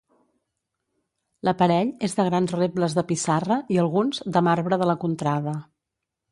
L'aparell és de grans rebles de pissarra i, alguns, de marbre de la contrada.